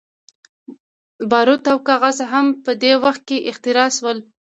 باروت او کاغذ هم په دې وخت کې اختراع شول.